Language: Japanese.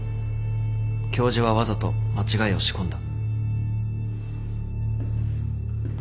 教授はわざと間違いを仕込んだ。